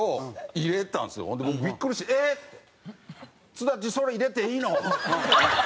「津田っちんそれ入れていいの？」。